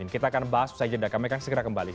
kita akan bahas besok saja kami akan segera kembali